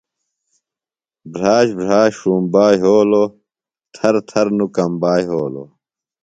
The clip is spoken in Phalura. بھراش، بھراش ݜُومبا یھولوۡ، تھر تھر نوۡ کمبا یھولوۡ